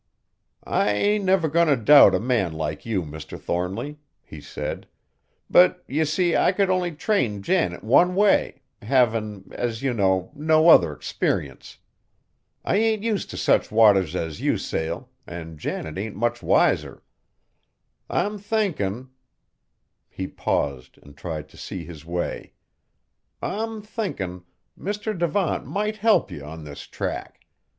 "I ain't never goin' t' doubt a man like you, Mr. Thornly," he said, "but ye see I could only train Janet one way, havin', as ye know, no other 'sperience. I ain't use t' sich waters as ye sail, an' Janet ain't much wiser. I'm thinkin'," he paused and tried to see his way, "I'm thinkin', Mr. Devant might help ye on this tack.